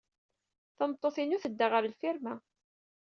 Tameṭṭut-inu tedda ɣer lfirma.